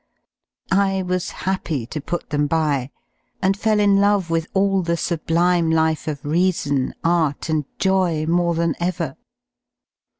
I was happy to put them by, and fell in love with all the sublime life of Reason, Art, and Joy more than ever.